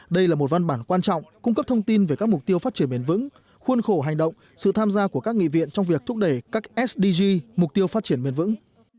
đây là một văn bản quan trọng cung cấp thông tin về các mục tiêu phát triển bền vững khuôn khổ hành động sự tham gia của các nghị viện trong việc thúc đẩy các sdg mục tiêu phát triển bền vững